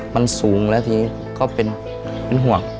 มันสูงแล้วทีก็เป็นห่วง